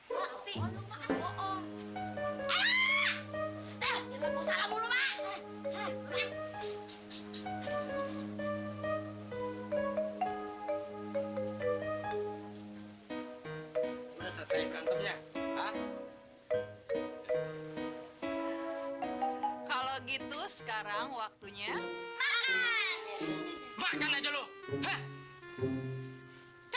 wajih ayah membunuh kita wajih